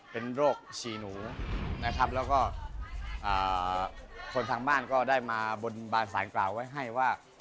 เป็นโรคชีหนูนะครับแล้วก็คนทางบ้านก็ได้มาบนบานสารกล่าวไว้ให้ว่า